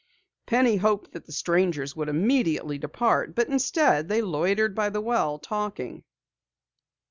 Penny hoped that the strangers would immediately depart, but instead they loitered by the well, talking.